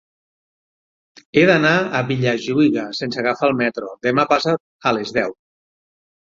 He d'anar a Vilajuïga sense agafar el metro demà passat a les deu.